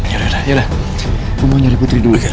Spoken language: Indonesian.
yaudah yaudah gue mau nyari putri dulu